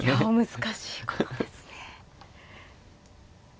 難しいことですね。